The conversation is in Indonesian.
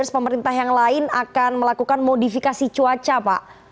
pemerintah yang lain akan melakukan modifikasi cuaca pak